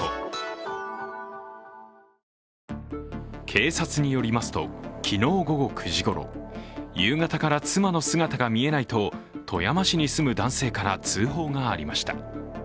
警察によりますと、昨日午後９時ごろ夕方から妻の姿が見えないと富山市に住む男性から通報がありました。